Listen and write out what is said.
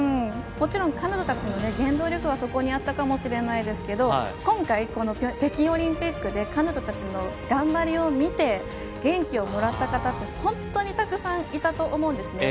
もちろん彼女たちの原動力はそこにあったかもしれませんが今回、北京オリンピックで彼女たちの頑張りを見て元気をもらった方って本当にたくさんいたと思うんです。